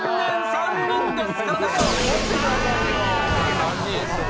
３人です。